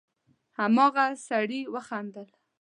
هماغه سړي وخندل: